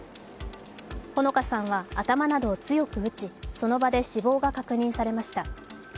穂香さんは頭などを強く打ちその場で死亡が確認されました。